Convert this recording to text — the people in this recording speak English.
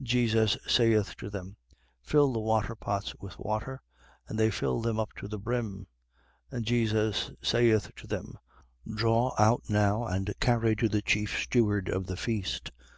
2:7. Jesus saith to them: Fill the waterpots with water. And they filled them up to the brim. 2:8. And Jesus saith to them: Draw out now and carry to the chief steward of the feast.